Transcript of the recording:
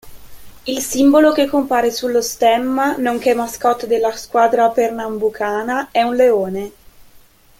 Il simbolo che compare sullo stemma, nonché mascotte della squadra pernambucana, è un leone.